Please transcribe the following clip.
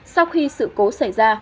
sau khi sự cố xảy ra